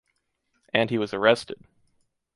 And he was arrested.